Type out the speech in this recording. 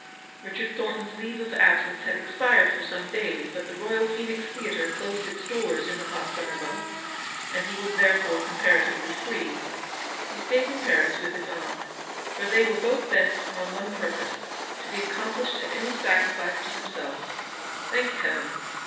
Richard Thornton's leave of absence had ex pired for some days, but the Royal Phoenix Theatre closed its doors in the hot summer months, and he was therefore comparatively free. He stayed in Paris with his aunt, for they were both bent upon one purpose, to be accomplished at any sacrifice to themselves. Thank Heaven